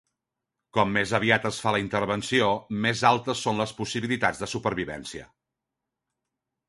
Com més aviat es fa la intervenció, més altes són les possibilitats de supervivència.